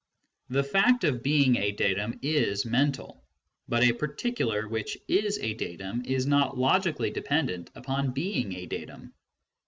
The fact of being a datum is mental, but a particular which is a datum is not logically dependent upon being a datum.